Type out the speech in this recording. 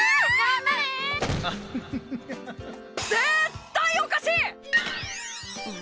絶対おかしい！